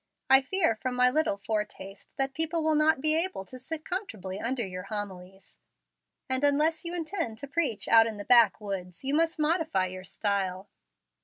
I fear, from my little foretaste, that people will not be able to sit comfortably under your homilies, and unless you intend to preach out in the back woods, you must modify your style."